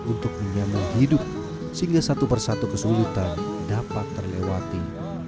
untuk menyambung hidup sehingga satu persatu kesulitan dapat terlewati